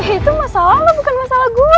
itu masalah lo bukan masalah gue